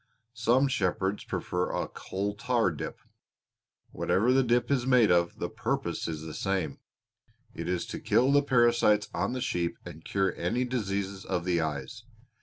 Some shepherds prefer a coal tar dip. Whatever the dip is made of, the purpose is the same. It is to kill the parasites on the sheep and cure any diseases of the eyes.